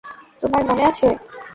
তোমার মনে আছে!